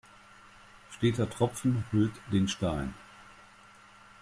Steter Tropfen höhlt den Stein.